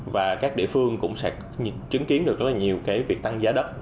và các địa phương cũng sẽ chứng kiến được rất là nhiều cái việc tăng giá đất